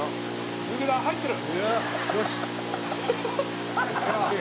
「指が入ってる！」